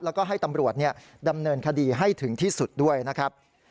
แล้วก็ให้ตำรวจดำเนินคดีให้ถึงที่สุดด้วยนะครับ